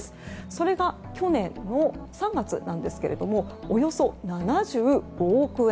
それが、去年の３月なんですがおよそ７５億円。